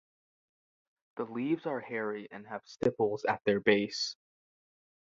The leaves are hairy and have stipules at their base.